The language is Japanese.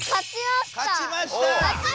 勝ちました！